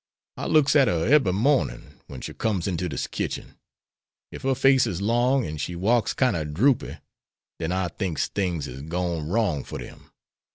I looks at her ebery mornin' wen she comes inter dis kitchen. Ef her face is long an' she walks kine o' droopy den I thinks things is gwine wrong for dem.